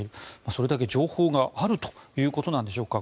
それだけ情報があるということなんでしょうか。